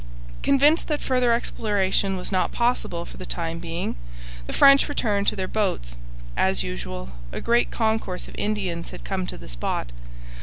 Convinced that further exploration was not possible for the time being, the French returned to their boats. As usual, a great concourse of Indians had come to the spot.